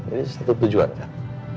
ini satu tujuan kan